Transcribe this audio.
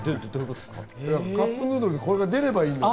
カップヌードルでこれが出ればいいのに。